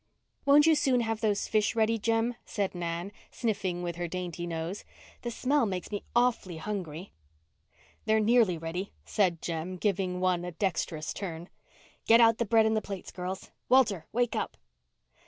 "Won't you soon have those fish ready, Jem?" said Nan, sniffing with her dainty nose. "The smell makes me awfully hungry." "They're nearly ready," said Jem, giving one a dexterous turn. "Get out the bread and the plates, girls. Walter, wake up."